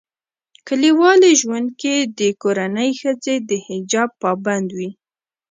کلیوالي ژوندکي دکورنۍښځي دحجاب پابند وي